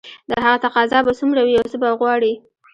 د هغه تقاضا به څومره وي او څه به غواړي